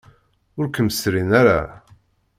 Ur kem-serrin ara.